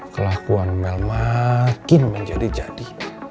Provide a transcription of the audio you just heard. kelakuan mel makin menjadi jadi